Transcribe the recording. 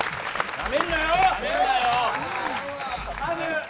なめんなよ。